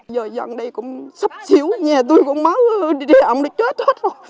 giờ dần đây cũng sắp xỉu nhà tôi con máu đi đi ẩm đã chết hết rồi